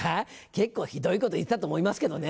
結構ひどいこと言ってたと思いますけどね。